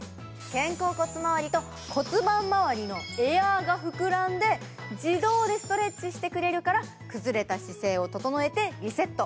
肩甲骨まわりと骨盤まわりのエアーが膨らんで自動でストレッチしてくれるから崩れた姿勢を整えてリセット。